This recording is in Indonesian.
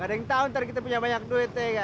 ga ada yang tau ntar kita punya banyak duit ya ga